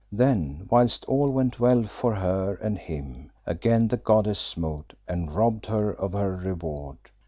Then, whilst all went well for her and him, again the goddess smote and robbed her of her reward.